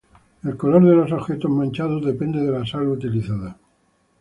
El color de los objetos manchados depende de la sal utilizada.